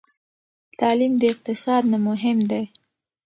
تعلیم د اقتصاد نه مهم دی.